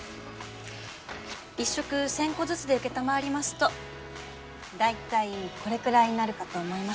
１色１０００個ずつで承りますと大体これくらいになるかと思います。